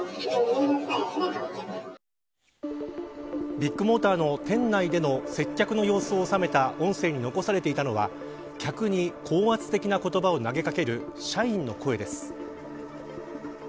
ビッグモーターの店内での接客の様子を収めた音声に残されていたのは客に高圧的な言葉を投げかける社員の行為です。